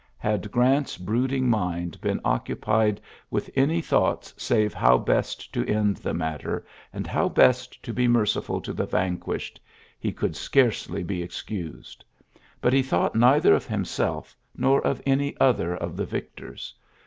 Had Grant's brooding mind been occupied with any thoughts save how best to end the matter and how best to be merciful to the vanquished, he could scarcely be excused. But he thought neither of himself nor of any other of the victors.